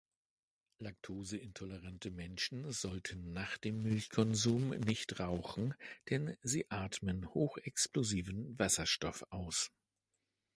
Laktoseintolerante Menschen sollten nach dem Milchkonsum nicht rauchen, denn sie atmen hochexplosiven Wasserstoff aus.